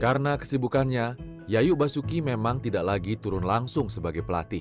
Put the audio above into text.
karena kesibukannya yayu basuki memang tidak lagi turun langsung sebagai pelatih